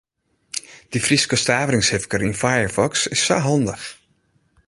Dy Fryske staveringshifker yn Firefox is sa handich.